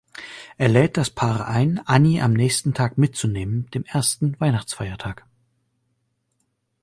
Er lädt das Paar ein, Annie am nächsten Tag mitzunehmen, dem ersten Weihnachtsfeiertag.